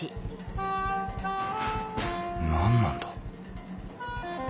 何なんだ？